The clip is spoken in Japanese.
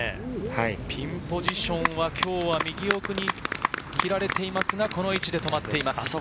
ピンポジションは今日は右奥に切られていますが、この位置で止まっています。